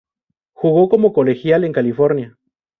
Jugo como colegial en California.